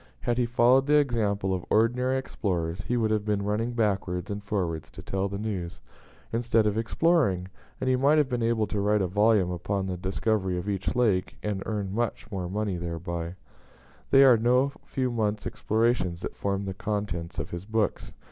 Had he followed the example of ordinary explorers, he would have been running backwards and forwards to tell the news, instead of exploring; and he might have been able to write a volume upon the discovery of each lake, and earn much money thereby. They are no few months' explorations that form the contents of his books.